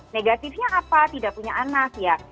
negatifnya apa tidak punya anak ya